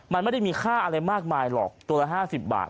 มันไม่ได้มีค่าอะไรมากมายหรอกตัวละ๕๐บาท